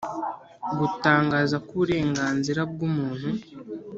gutangaza ko uburenganzira bwa muntu